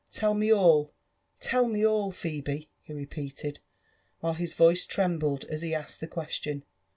— tell me all — tell me all, Phebe," he repeated, while his voice trembled as he asked the question.